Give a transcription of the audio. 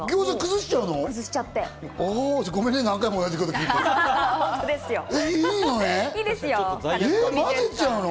餃子、崩しちゃうの？